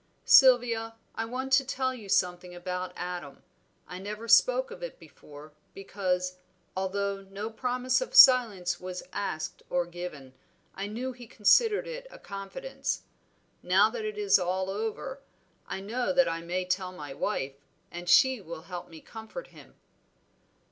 Sylvia, I want to tell you something about Adam. I never spoke of it before, because, although no promise of silence was asked or given, I knew he considered it a confidence. Now that it is all over, I know that I may tell my wife, and she will help me comfort him."